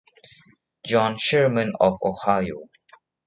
John Sherman of Ohio.